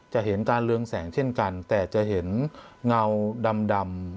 เห็นการเรืองแสงเช่นกันแต่จะเห็นเงาดำ